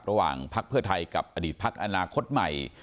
พักเพื่อไทยกับอดีตพักอนาคตใหม่